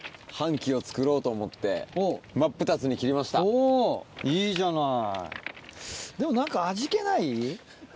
おいいじゃない。